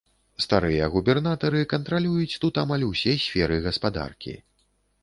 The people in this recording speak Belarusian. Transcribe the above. Старыя губернатары кантралююць тут амаль усе сферы гаспадаркі.